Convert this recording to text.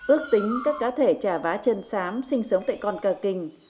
ước tính các cá thể trà vá chân sám sinh sống tại con ca kinh